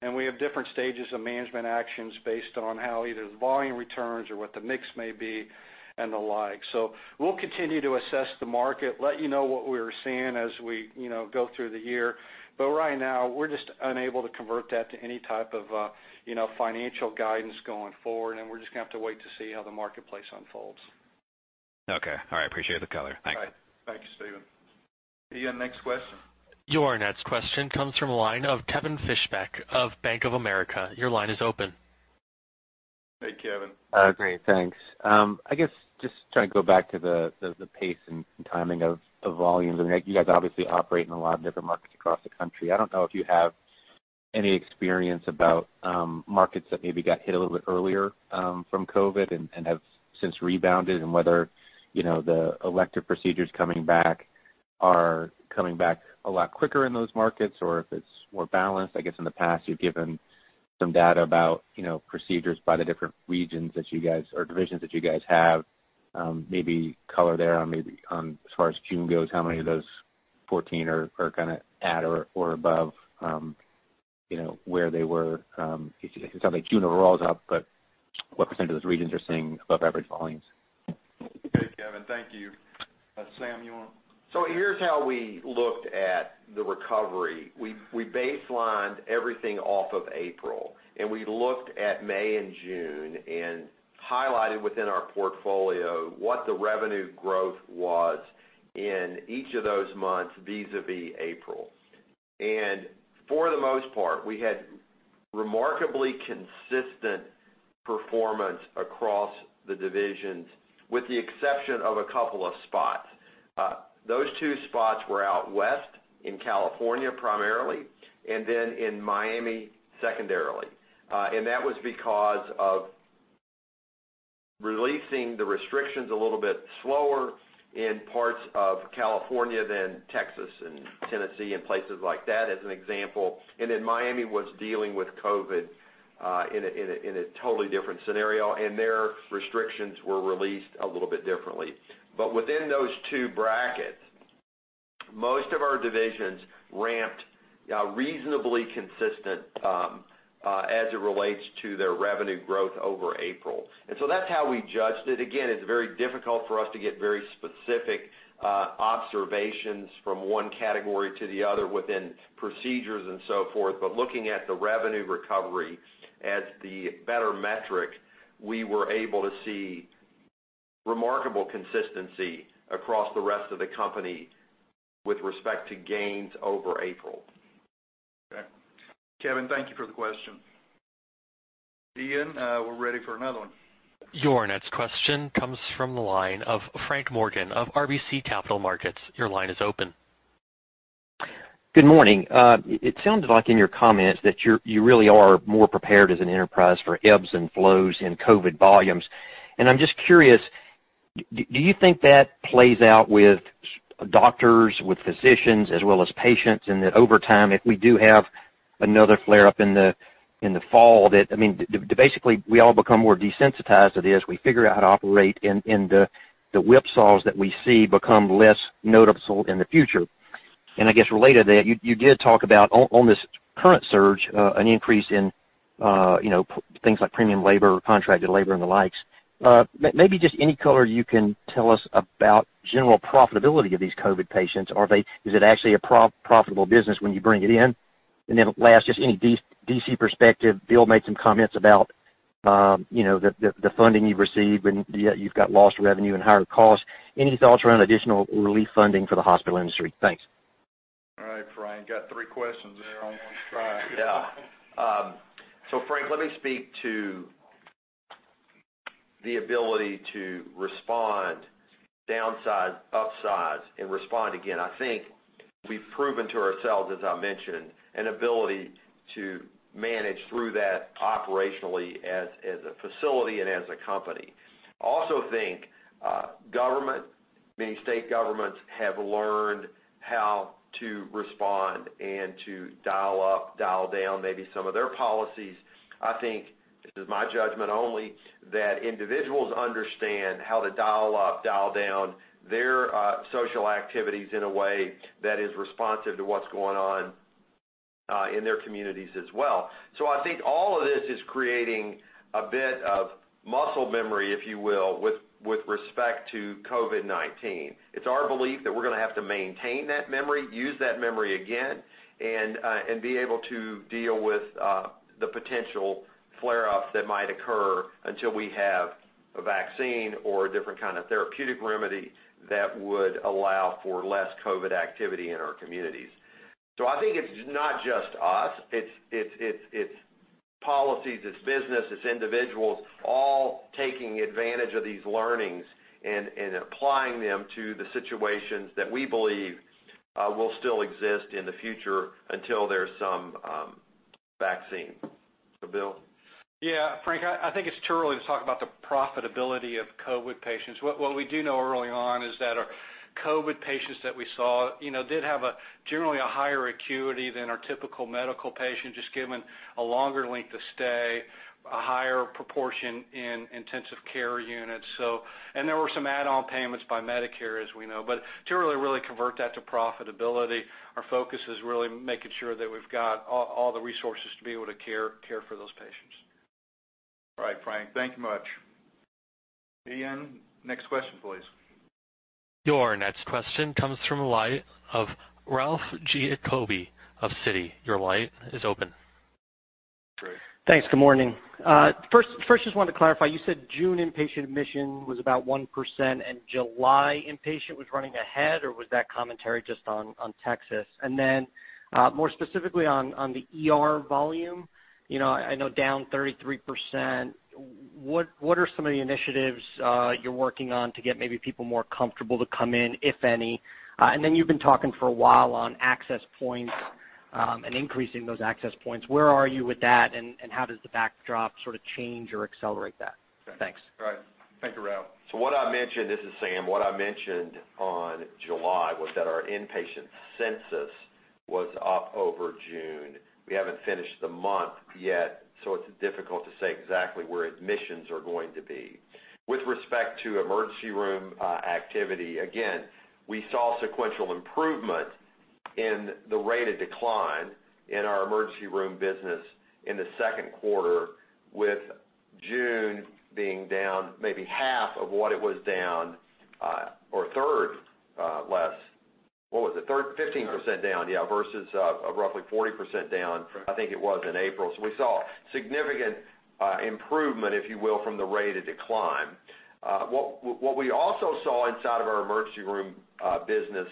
Speaker 4: and we have different stages of management actions based on how either the volume returns or what the mix may be and the like. We'll continue to assess the market, let you know what we're seeing as we go through the year. Right now, we're just unable to convert that to any type of financial guidance going forward, and we're just going to have to wait to see how the marketplace unfolds.
Speaker 11: Okay. All right. Appreciate the color. Thanks.
Speaker 2: All right. Thank you, Steven. Ian, next question.
Speaker 1: Your next question comes from line of Kevin Fischbeck of Bank of America. Your line is open.
Speaker 4: Hey, Kevin.
Speaker 12: Great. Thanks. I guess just trying to go back to the pace and timing of volumes. You guys obviously operate in a lot of different markets across the country. I don't know if you have any experience about markets that maybe got hit a little bit earlier from COVID and have since rebounded and whether the elective procedures coming back are coming back a lot quicker in those markets or if it's more balanced. I guess in the past, you've given some data about procedures by the different regions or divisions that you guys have. Maybe color there on as far as June goes, how many of those 14 are at or above where they were. It sounds like June overall is up, but what % of those regions are seeing above-average volumes?
Speaker 2: Okay, Kevin. Thank you.
Speaker 3: Here's how we looked at the recovery. We baselined everything off of April, and we looked at May and June and highlighted within our portfolio what the revenue growth was in each of those months vis-à-vis April. For the most part, we had remarkably consistent performance across the divisions, with the exception of a couple of spots. Those two spots were out west in California, primarily, and then in Miami, secondarily. That was because of releasing the restrictions a little bit slower in parts of California than Texas and Tennessee and places like that, as an example. Miami was dealing with COVID in a totally different scenario, and their restrictions were released a little bit differently. Within those two brackets, most of our divisions ramped reasonably consistent as it relates to their revenue growth over April. That's how we judged it. It's very difficult for us to get very specific observations from one category to the other within procedures and so forth. Looking at the revenue recovery as the better metric, we were able to see remarkable consistency across the rest of the company with respect to gains over April.
Speaker 2: Okay. Kevin, thank you for the question. Ian, we're ready for another one.
Speaker 1: Your next question comes from the line of Frank Morgan of RBC Capital Markets. Your line is open.
Speaker 13: Good morning. It sounds like in your comments that you really are more prepared as an enterprise for ebbs and flows in COVID volumes. I'm just curious, do you think that plays out with doctors, with physicians, as well as patients? That over time, if we do have another flare-up in the fall, that basically we all become more desensitized to this, we figure out how to operate, and the whipsaws that we see become less noticeable in the future. I guess related to that, you did talk about on this current surge, an increase in things like premium labor, contracted labor, and the likes. Maybe just any color you can tell us about general profitability of these COVID patients. Is it actually a profitable business when you bring it in? Last, just any D.C. perspective, Bill made some comments about the funding you've received, and you've got lost revenue and higher costs. Any thoughts around additional relief funding for the hospital industry? Thanks.
Speaker 2: All right, Frank. Got three questions there on one try.
Speaker 3: Yeah. Frank, let me speak to the ability to respond downside, upside, and respond again. I think we've proven to ourselves, as I mentioned, an ability to manage through that operationally as a facility and as a company. I also think government, many state governments, have learned how to respond and to dial up, dial down maybe some of their policies. I think, this is my judgment only, that individuals understand how to dial up, dial down their social activities in a way that is responsive to what's going on in their communities as well. I think all of this is creating a bit of muscle memory, if you will, with respect to COVID-19. It's our belief that we're going to have to maintain that memory, use that memory again, and be able to deal with the potential flare-ups that might occur until we have a vaccine or a different kind of therapeutic remedy that would allow for less COVID activity in our communities. I think it's not just us, it's policies, it's business, it's individuals all taking advantage of these learnings and applying them to the situations that we believe will still exist in the future until there's some vaccine. Bill?
Speaker 4: Yeah, Frank, I think it's too early to talk about the profitability of COVID patients. What we do know early on is that our COVID patients that we saw did have generally a higher acuity than our typical medical patient, just given a longer length of stay, a higher proportion in intensive care units. There were some add-on payments by Medicare, as we know. To really convert that to profitability, our focus is really making sure that we've got all the resources to be able to care for those patients.
Speaker 2: All right, Frank. Thank you much. Ian, next question, please.
Speaker 1: Your next question comes from the line of Ralph Giacobbe of Citi. Your line is open.
Speaker 3: Great.
Speaker 14: Thanks. Good morning. First, just wanted to clarify, you said June inpatient admission was about 1% and July inpatient was running ahead, or was that commentary just on Texas? More specifically on the ER volume, I know down 33%, what are some of the initiatives you're working on to get maybe people more comfortable to come in, if any? You've been talking for a while on access points and increasing those access points. Where are you with that, and how does the backdrop sort of change or accelerate that? Thanks.
Speaker 3: All right. Thank you, Ralph. This is Sam. What I mentioned on July was that our inpatient census was up over June. We haven't finished the month yet, it's difficult to say exactly where admissions are going to be. With respect to emergency room activity, again, we saw sequential improvement in the rate of decline in our emergency room business in the second quarter, with June being down maybe half of what it was down or a third less. What was it? 15% down. Yeah, versus roughly 40% down I think it was in April. We saw significant improvement, if you will, from the rate of decline. What we also saw inside of our emergency room business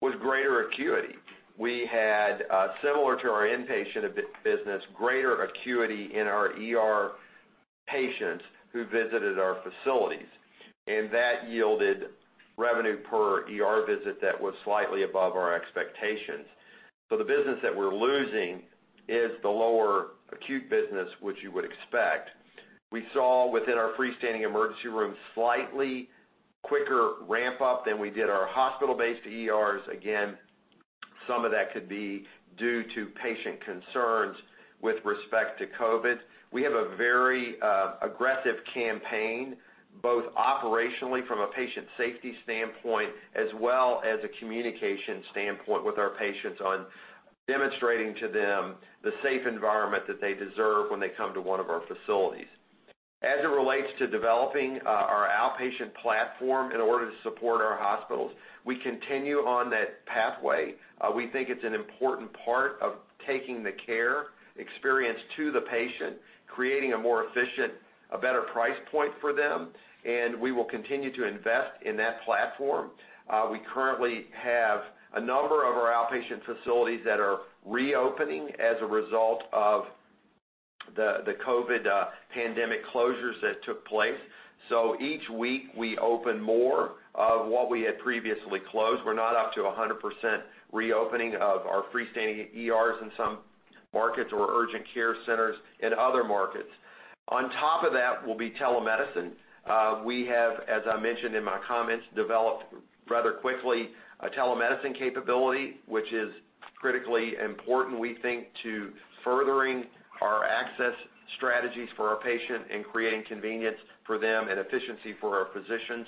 Speaker 3: was greater acuity. We had, similar to our inpatient business, greater acuity in our ER patients who visited our facilities, and that yielded revenue per ER visit that was slightly above our expectations. The business that we're losing is the lower acute business, which you would expect. We saw within our freestanding emergency room slightly quicker ramp-up than we did our hospital-based ERs. Again, some of that could be due to patient concerns with respect to COVID. We have a very aggressive campaign, both operationally from a patient safety standpoint, as well as a communication standpoint with our patients on demonstrating to them the safe environment that they deserve when they come to one of our facilities. As it relates to developing our outpatient platform in order to support our hospitals, we continue on that pathway. We think it's an important part of taking the care experience to the patient, creating a more efficient, a better price point for them, and we will continue to invest in that platform. We currently have a number of our outpatient facilities that are reopening as a result of the COVID pandemic closures that took place. Each week, we open more of what we had previously closed. We're not up to 100% reopening of our freestanding ERs in some markets or urgent care centers in other markets. On top of that will be telemedicine. We have, as I mentioned in my comments, developed rather quickly a telemedicine capability, which is critically important, we think, to furthering our access strategies for our patient and creating convenience for them and efficiency for our physicians.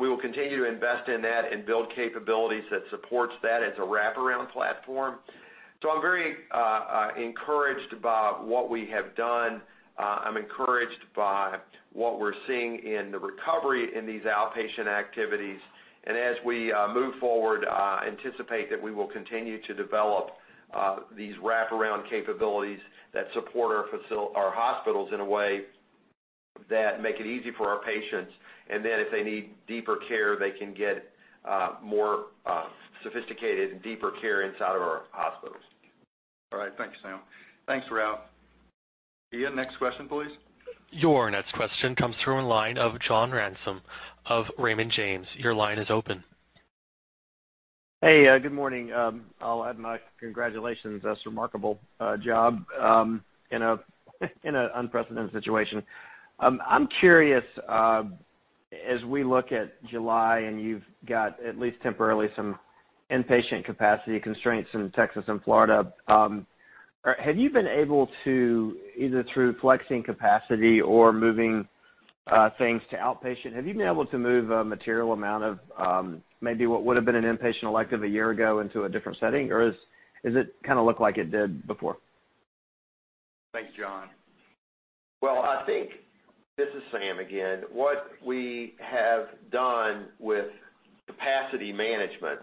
Speaker 3: We will continue to invest in that and build capabilities that supports that as a wraparound platform. I'm very encouraged by what we have done. I'm encouraged by what we're seeing in the recovery in these outpatient activities. As we move forward, I anticipate that we will continue to develop these wraparound capabilities that support our hospitals in a way that make it easy for our patients. If they need deeper care, they can get more sophisticated and deeper care inside of our hospitals.
Speaker 2: All right. Thanks, Sam. Thanks, Ralph. Ian, next question, please.
Speaker 1: Your next question comes through on line of John Ransom of Raymond James. Your line is open.
Speaker 15: Hey, good morning. I'll add my congratulations. That's a remarkable job in an unprecedented situation. I'm curious, as we look at July, and you've got, at least temporarily, some inpatient capacity constraints in Texas and Florida, have you been able to, either through flexing capacity or moving things to outpatient, have you been able to move a material amount of maybe what would have been an inpatient elective a year ago into a different setting? Or does it kind of look like it did before?
Speaker 2: Thanks, John.
Speaker 3: Well, I think, this is Sam again, what we have done with capacity management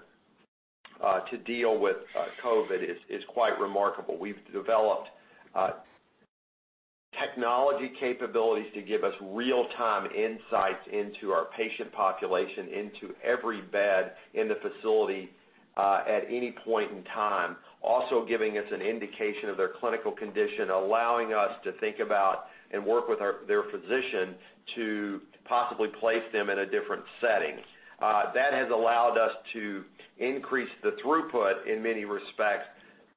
Speaker 3: to deal with COVID is quite remarkable. We've developed technology capabilities to give us real-time insights into our patient population, into every bed in the facility at any point in time. Also giving us an indication of their clinical condition, allowing us to think about and work with their physician to possibly place them in a different setting. That has allowed us to increase the throughput in many respects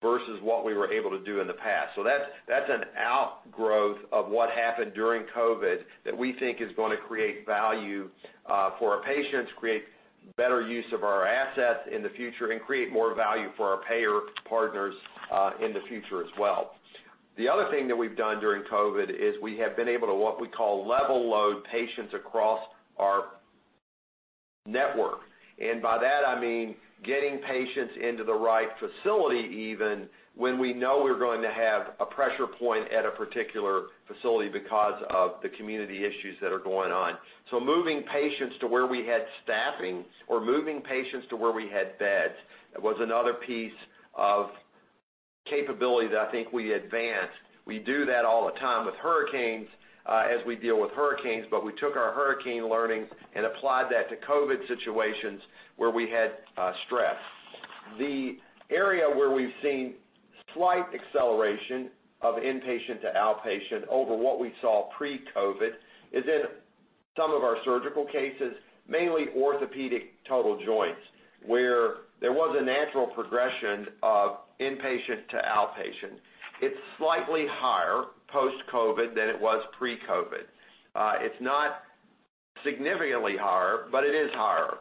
Speaker 3: versus what we were able to do in the past. That's an outgrowth of what happened during COVID that we think is going to create value for our patients, create better use of our assets in the future, and create more value for our payer partners in the future as well. The other thing that we've done during COVID is we have been able to what we call level load patients across our network. By that I mean getting patients into the right facility even when we know we're going to have a pressure point at a particular facility because of the community issues that are going on. Moving patients to where we had staffing or moving patients to where we had beds was another piece of capability that I think we advanced. We do that all the time with hurricanes as we deal with hurricanes, we took our hurricane learnings and applied that to COVID situations where we had stress. The area where we've seen slight acceleration of inpatient to outpatient over what we saw pre-COVID is in some of our surgical cases, mainly orthopedic total joints, where there was a natural progression of inpatient to outpatient. It's slightly higher post-COVID than it was pre-COVID. It's not significantly higher, but it is higher.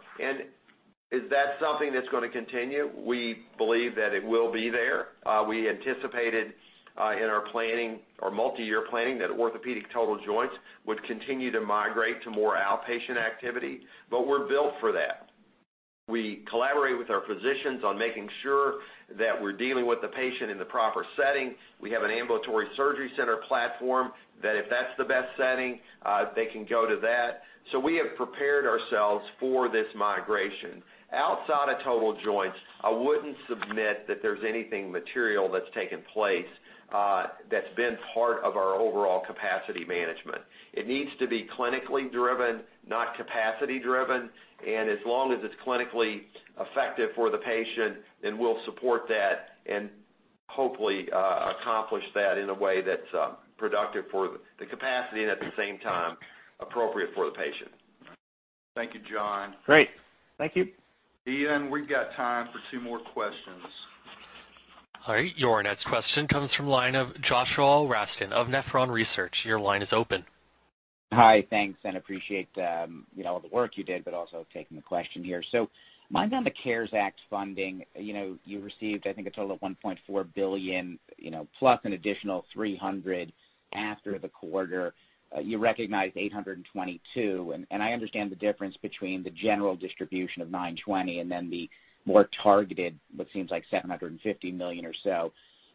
Speaker 3: Is that something that's going to continue? We believe that it will be there. We anticipated in our planning, our multi-year planning, that orthopedic total joints would continue to migrate to more outpatient activity. We're built for that. We collaborate with our physicians on making sure that we're dealing with the patient in the proper setting. We have an ambulatory surgery center platform that if that's the best setting, they can go to that. We have prepared ourselves for this migration. Outside of total joints, I wouldn't submit that there's anything material that's taken place that's been part of our overall capacity management. It needs to be clinically driven, not capacity driven. As long as it's clinically effective for the patient, then we'll support that and hopefully accomplish that in a way that's productive for the capacity and at the same time appropriate for the patient.
Speaker 2: Thank you, John.
Speaker 15: Great. Thank you.
Speaker 2: Ian, we've got time for two more questions.
Speaker 1: All right. Your next question comes from line of Joshua Raskin of Nephron Research. Your line is open.
Speaker 16: Hi. Thanks. Appreciate all the work you did, but also taking the question here. Mine's on the CARES Act funding. You received, I think, a total of $1.4 billion, plus an additional $300 million after the quarter. You recognized $822 million. I understand the difference between the general distribution of $920 million and then the more targeted, what seems like $750 million or so.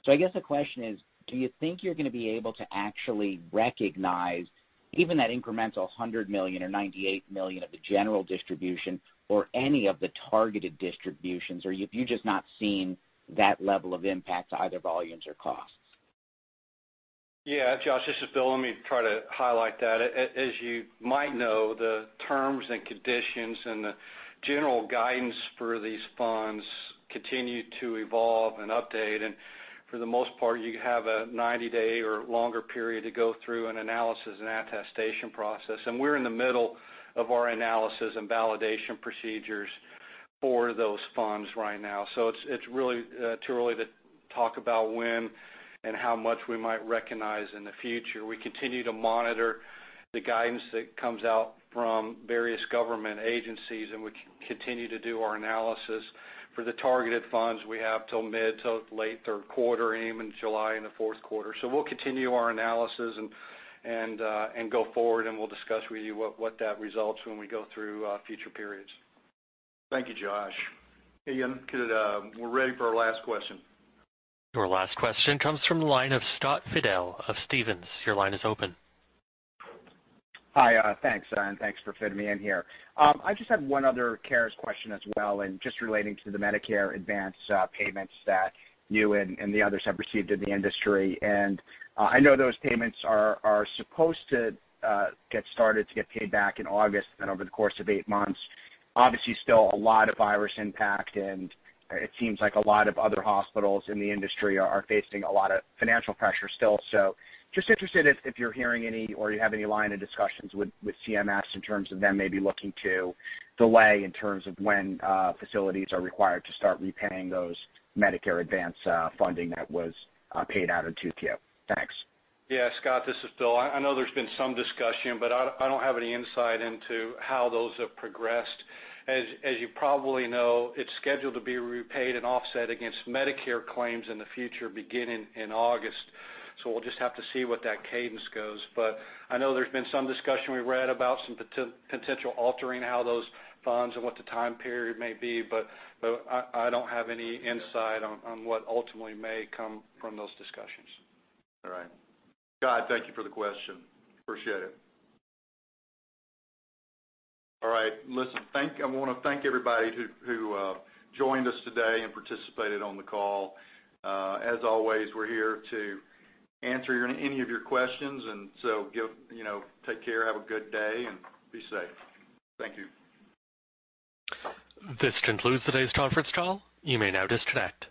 Speaker 16: I guess the question is, do you think you're going to be able to actually recognize even that incremental $100 million or $98 million of the general distribution or any of the targeted distributions, or have you just not seen that level of impact to either volumes or costs?
Speaker 4: Yeah, Josh, this is Bill. Let me try to highlight that. As you might know, the terms and conditions and the general guidance for these funds continue to evolve and update. For the most part, you have a 90-day or longer period to go through an analysis and attestation process. We're in the middle of our analysis and validation procedures for those funds right now. It's really too early to talk about when and how much we might recognize in the future. We continue to monitor the guidance that comes out from various government agencies, and we continue to do our analysis for the targeted funds we have till mid to late third quarter, even July in the fourth quarter. We'll continue our analysis and go forward, and we'll discuss with you what that results when we go through future periods.
Speaker 2: Thank you, Josh. Hey, Ian, we're ready for our last question.
Speaker 1: Your last question comes from the line of Scott Fidel of Stephens. Your line is open.
Speaker 17: Hi. Thanks, and thanks for fitting me in here. I just had one other CARES question as well. Just relating to the Medicare advance payments that you and the others have received in the industry. I know those payments are supposed to get started to get paid back in August and over the course of 8 months. Obviously, still a lot of virus impact, and it seems like a lot of other hospitals in the industry are facing a lot of financial pressure still. Just interested if you're hearing any or you have any line of discussions with CMS in terms of them maybe looking to delay in terms of when facilities are required to start repaying those Medicare advance funding that was paid out in 2Q. Thanks.
Speaker 4: Scott, this is Bill. I know there's been some discussion, but I don't have any insight into how those have progressed. As you probably know, it's scheduled to be repaid and offset against Medicare claims in the future, beginning in August. We'll just have to see what that cadence goes. I know there's been some discussion. We've read about some potential altering how those funds and what the time period may be, but I don't have any insight on what ultimately may come from those discussions.
Speaker 2: All right. Scott, thank you for the question. Appreciate it. All right. I want to thank everybody who joined us today and participated on the call. As always, we're here to answer any of your questions, and so take care, have a good day, and be safe. Thank you.
Speaker 1: This concludes today's conference call. You may now disconnect.